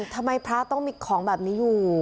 ทำไมพระต้องมีของแบบนี้อยู่